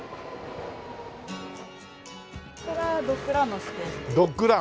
こちらドッグランのスペースです。